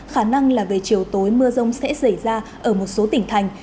khả năng là về chiều tối mưa rông sẽ xảy ra ở một số tỉnh thành